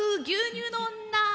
牛乳の女。